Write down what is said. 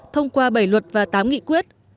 thông qua bảy luật và tám nghị quyết